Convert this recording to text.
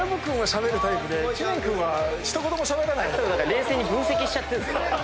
冷静に分析しちゃってるんですよ